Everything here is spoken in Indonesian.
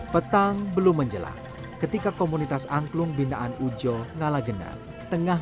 petang belum menjelang ketika komunitas angklung bindaan ujjo ngala genan tengah